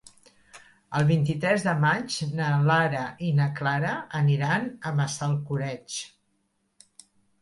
El vint-i-tres de maig na Lara i na Clara aniran a Massalcoreig.